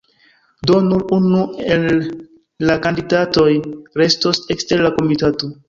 Do nur unu el la kandidatoj restos ekster la komitato.